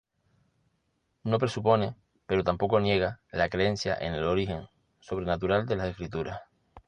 No presupone, pero tampoco niega, la creencia en el origen sobrenatural de las escrituras.